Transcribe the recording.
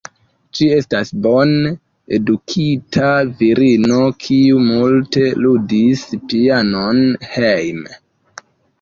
Ŝi estis bone edukita virino, kiu multe ludis pianon hejme.